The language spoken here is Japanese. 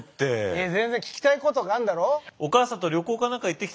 いや全然聞きたいことがあんだろ？